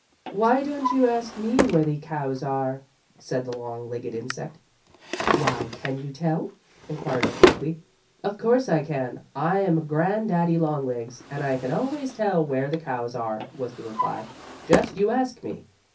"Why don't you ask me where the cows are?" said the long legged insect. "Why, can you tell?" inquired Uncle Wiggily. "Of course I can. I'm a grand daddy longlegs, and I can always tell where the cows are," was the reply. "Just you ask me."